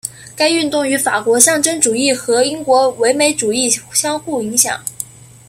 该运动与法国象征主义和英国唯美主义相互影响。